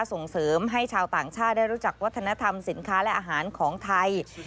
ส่งเสริมให้ชาวต่างชาติได้รู้จักวัฒนธรรมสินค้าและอาหารของไทย